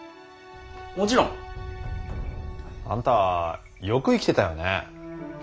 もちろん。あんたよく生きてたよね。